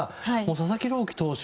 佐々木朗希投手